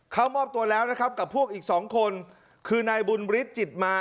เขามอบตัวแล้วนะครับกับพวกอีกสองคนคือนายบุญฤทธิจิตมา